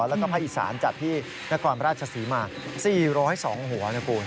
แล้วก็ภายศาลจัดที่นครราชสีมาก๔๐๒หัวนะครู